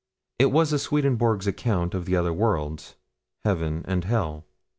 It was Swedenborg's account of the other worlds, Heaven and Hell.